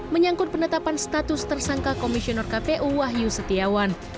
menyangkut penetapan status tersangka komisioner kpu wahyu setiawan